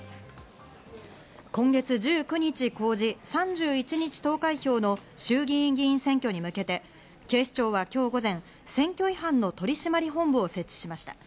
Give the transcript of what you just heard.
今月１９日公示、３１日投開票の衆議院議員選挙に向けて、警視庁は今日午前、選挙違反の取り締まり本部を設置しました。